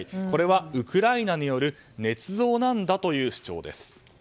これはウクライナによるねつ造なんだという主張です。